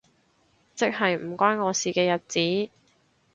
即係唔關我事嘅日子